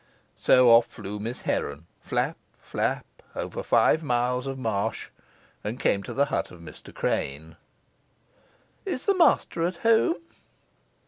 So off flew Miss Heron, flap, flap, over five miles of marsh, and came to the hut of Mr. Crane. "Is the master at home?"